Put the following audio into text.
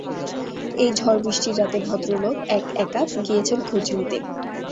এই ঝড়-বৃষ্টির রাতে ভদ্রলোক এক-একা গিয়েছেন খোঁজ নিতে।